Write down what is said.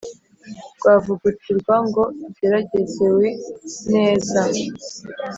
Rwavugutirwa ngo rugeragezewe neza